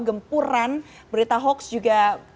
gempuran berita hoax juga